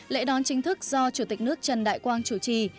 lễ đón chính thức do chủ tịch nước trần đại quang chủ trì